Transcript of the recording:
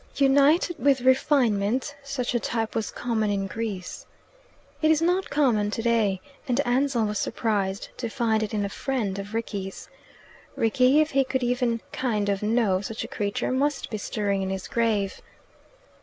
United with refinement, such a type was common in Greece. It is not common today, and Ansell was surprised to find it in a friend of Rickie's. Rickie, if he could even "kind of know" such a creature, must be stirring in his grave.